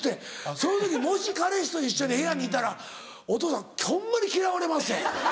その時もし彼氏と一緒に部屋にいたらお父さんホンマに嫌われまっせ。